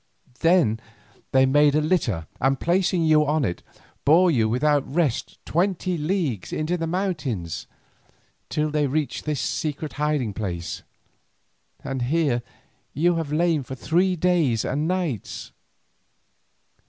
Then they made a litter, and placing you on it, bore you without rest twenty leagues into the mountains, till they reached this secret hiding place, and here you have lain three days and nights.